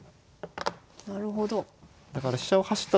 なるほど。